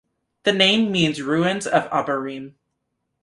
The name means "Ruins of Abarim".